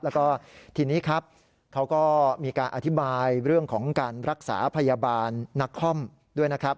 แล้วก็ทีนี้ครับเขาก็มีการอธิบายเรื่องของการรักษาพยาบาลนักคอมด้วยนะครับ